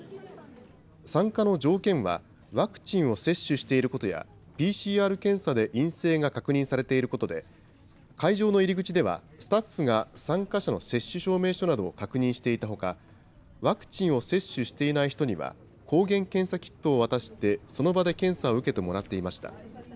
参加の条件は、ワクチンを接種していることや、ＰＣＲ検査で陰性が確認されていることで、会場の入り口では、スタッフが参加者の接種証明書などを確認していたほか、ワクチンを接種していない人には、抗原検査キットを渡してその場で検査を受けてもらっていました。